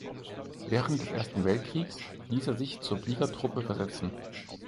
Während des Ersten Weltkriegs ließ er sich zur Fliegertruppe versetzen.